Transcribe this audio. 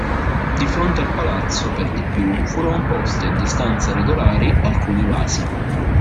Di fronte al palazzo, per di più, furono posti a distanze regolari alcuni vasi.